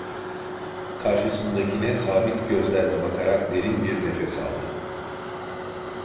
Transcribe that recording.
Karşısındakine sabit gözerle bakarak derin bir nefes aldı.